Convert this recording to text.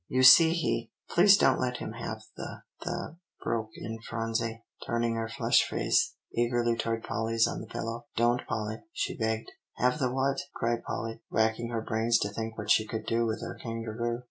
"You see he" "Please don't let him have the the" broke in Phronsie, turning her flushed face eagerly toward Polly's on the pillow, "don't Polly," she begged. "Have the what?" cried Polly, racking her brains to think what she could do with her kangaroo.